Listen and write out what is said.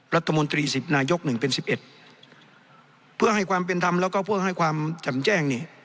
รัฐมนตรีสิบนายกหนึ่งเป็นสิบเอ็ดเพื่อให้ความเป็นทำแล้วก็เพื่อให้ความจำแจ้งนี่